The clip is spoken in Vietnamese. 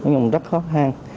nhưng mà rất khó khăn